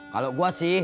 kalau gua sih